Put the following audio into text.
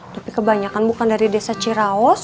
tapi kebanyakan bukan dari desa ciraos